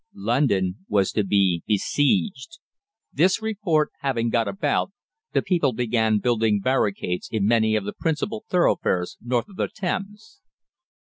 London was to be besieged! This report having got about, the people began building barricades in many of the principal thoroughfares north of the Thames.